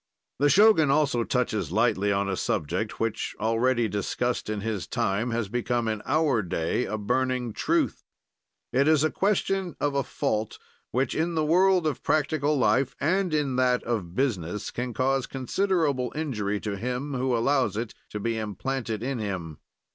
The Shogun also touches lightly on a subject which, already discust in his time, has become, in our day, a burning truth; it is a question of a fault, which in the world of practical life and in that of business can cause considerable injury to him who allows it to be implanted in him.